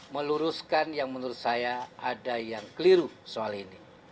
meluruskan yang menurut saya ada yang keliru soal ini